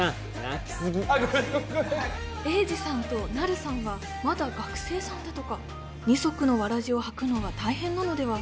栄治さんとなるさんはまだ学生さんだとか二足のわらじを履くのは大変なのでは？